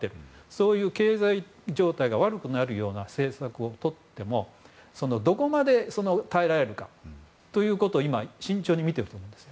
そういう経済状態が悪くなるような政策をとっても、どこまで耐えられるかということを今、慎重に見ていると思います。